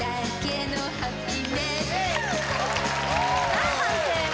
さあ判定は？